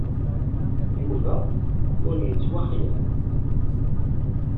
Yuba ur yettwaxeyyab.